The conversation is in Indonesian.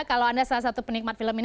kalau anda salah satu penikmat film ini